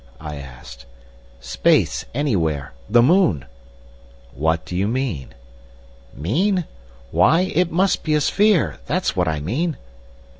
I asked. "Space—anywhere! The moon." "What do you mean?" "Mean? Why—it must be a sphere! That's what I mean!"